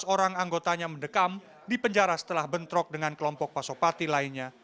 tujuh belas orang anggotanya mendekam di penjara setelah bentrok dengan kelompok pasopati lainnya